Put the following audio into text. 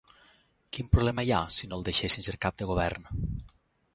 Quin problema hi ha si no el deixessin ser cap de govern?